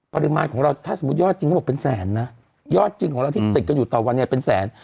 ปริมาณของเราถ้าสมมุติยอดจริงเขาบอกเป็นแสนนะยอดจริงของเราที่ติดกันอยู่ต่อวันเนี่ยเป็นแสน